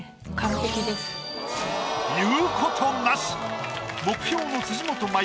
言うことなし！